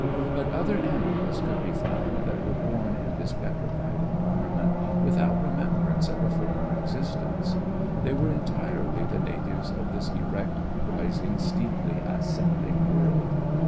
But other animals could be found that were born in this petrified environment, without remembrance of a former existence. They were entirely the natives of this erect, rising, steeply ascending world.